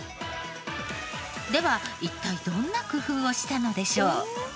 では一体どんな工夫をしたのでしょう？